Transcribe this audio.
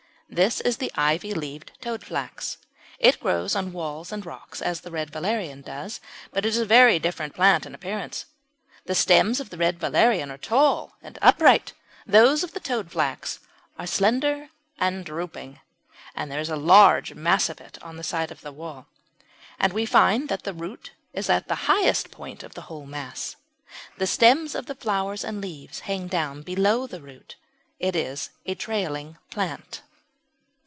This is the ivy leaved Toadflax. It grows on walls and rocks, as the Red Valerian does, but it is a very different plant in appearance. The stems of the Red Valerian are tall and upright; those of the Toadflax are slender and drooping. There is a large mass of it on the side of the wall, and we find that the root is at the highest point of the whole mass. The stems with the flowers and leaves hang down below the root; it is a trailing plant.